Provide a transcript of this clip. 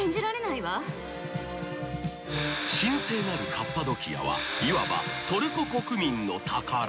［神聖なるカッパドキアはいわばトルコ国民の宝］